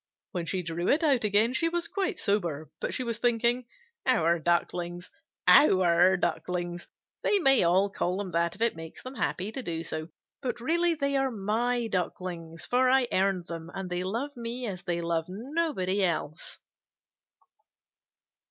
When she drew it out again she was quite sober, but she was thinking "Our Ducklings! Our Ducklings! They may all call them that if it makes them happy to do so, but really they are my Ducklings, for I earned them, and they love me as they love nobody else."